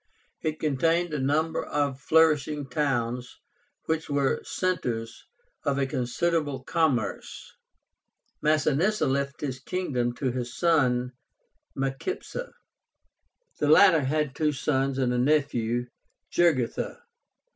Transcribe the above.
It contained a number of flourishing towns, which were centres of a considerable commerce. Masinissa left this kingdom to his son Micipsa. The latter had two sons and a nephew, JUGURTHA.